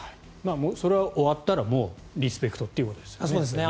それは終わったらもうリスペクトということですよね。